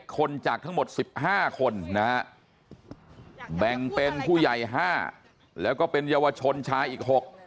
คนจากทั้งหมด๑๕คนนะฮะแบ่งเป็นผู้ใหญ่๕แล้วก็เป็นเยาวชนชายอีก๖